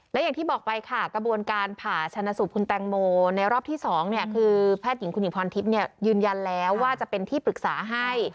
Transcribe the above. และอย่างที่บอกไปค่ะกระบวนการผ่าชนะสูตรคุณแตงโมในรอบที่๒คือแพทย์หญิงคุณหญิงพรทิพย์ยืนยันแล้วว่าจะเป็นที่ปรึกษาให้